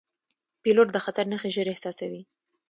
پیلوټ د خطر نښې ژر احساسوي.